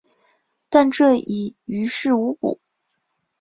但这已于事无补。